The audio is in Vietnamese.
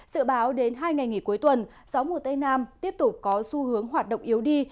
dự báo đến hai ngày nghỉ cuối tuần gió mùa tây nam tiếp tục có xu hướng hoạt động yếu đi